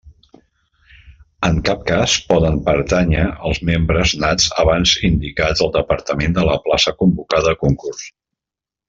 En cap cas poden pertànyer els membres nats abans indicats al departament de la plaça convocada a concurs.